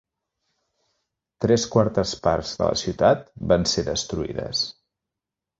Tres quartes parts de la ciutat van ser destruïdes.